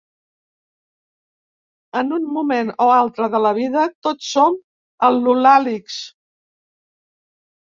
En un moment o altre de la vida tots som al·lolàlics.